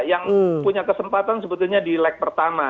yang punya kesempatan sebetulnya di leg pertama